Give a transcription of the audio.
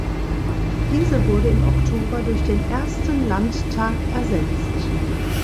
Diese wurde im Oktober durch den ersten Landtag ersetzt.